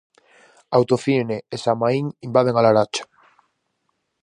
Autocine e Samaín invaden A Laracha.